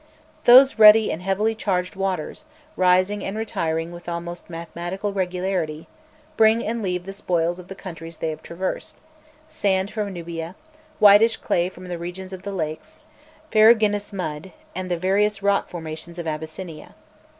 [Illustration: 034.jpg ASSIOUT] Those ruddy and heavily charged waters, rising and retiring with almost mathematical regularity, bring and leave the spoils of the countries they have traversed: sand from Nubia, whitish clay from the regions of the Lakes, ferruginous mud, and the various rock formations of Abyssinia.